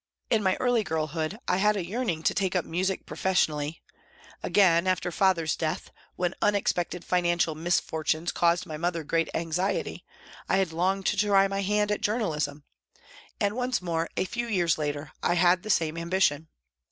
In my early girlhood I had a yearning to take up music professionally ; again, after father's death, when unexpected financial mis fortunes caused my mother great anxiety, I had longed to try my hand at journalism ; and once more, a few years later, I had the same ambition.